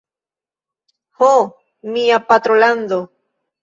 Ho, mia patrolando!